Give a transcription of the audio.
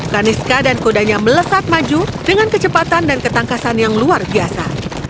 kaniska dan kodanya melesat maju dengan kecepatan dan ketangkasan yang luar biasa